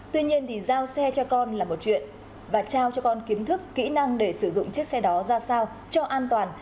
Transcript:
tuy nhiên thì giao xe cho con là một chuyện và trao cho con kiến thức kỹ năng để sử dụng chiếc xe đó ra sao cho an toàn